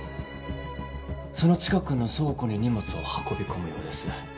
その近くの倉庫に荷物を運び込むようです。